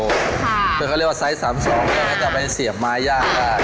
คือเขาเรียกว่าไซส์๓๒แล้วก็จะไปเสียบไม้ยากได้